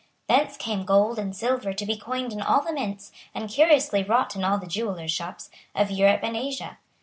Thence came gold and silver to be coined in all the mints, and curiously wrought in all the jewellers' shops, of Europe and Asia.